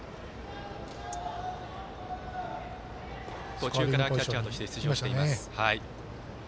途中からキャッチャーとして出場しています。